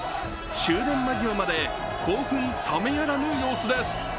終電間際まで興奮冷めやらぬ様子です。